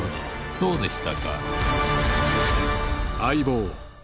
そうでしたか。